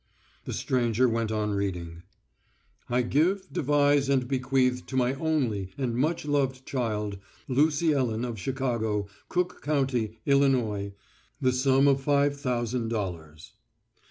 The stranger went on reading: I give, devise, and bequeath to my only and much loved child, Lucy Ellen of Chicago, Cook county, Illinois, the sum of five thousand dollars.